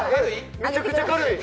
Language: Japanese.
めちゃくちゃ軽い。